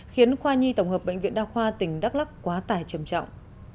khiến khoa nhi tổng hợp bệnh viện đa khoa tỉnh đắk lắc quá tải trầm trọng